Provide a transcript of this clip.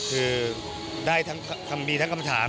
คือได้ทั้งมีทั้งคำถาม